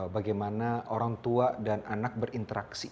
bagaimana orang tua dan anak berinteraksi